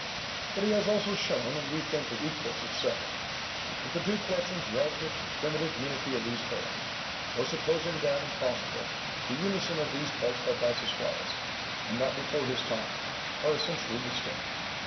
But he has also shown, and we think with equal success, that the two questions relative to the primitive unity of these poems, or, supposing that impossible, the unison of these parts by Peisistratus, and not before his time, are essentially distinct.